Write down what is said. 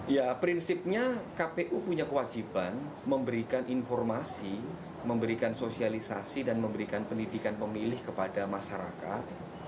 ya prinsipnya kpu punya kewajiban memberikan informasi memberikan sosialisasi dan memberikan pendidikan pemilih kepada masyarakat